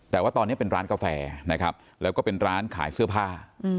แต่ว่าตอนนี้เป็นร้านกาแฟนะครับแล้วก็เป็นร้านขายเสื้อผ้า